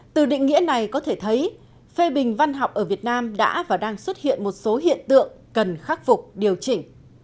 từ định nghĩa này có thể thấy phê bình văn học ở việt nam đã và đang xuất hiện một số hiện tượng cần khắc phục điều chỉnh